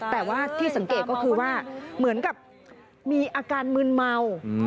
แต่ว่าที่สังเกตก็คือว่าเหมือนกับมีอาการมืนเมา